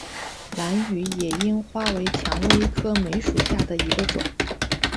兰屿野樱花为蔷薇科梅属下的一个种。